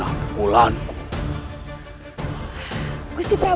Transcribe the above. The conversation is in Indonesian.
kau sudah melukai istri